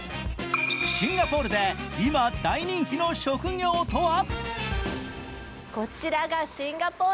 シンガポールで今、大人気の職業とは？